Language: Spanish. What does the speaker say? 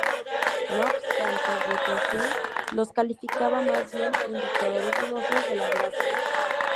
No obstante, Whitefield los calificaba más bien "indicadores dudosos de la gracia".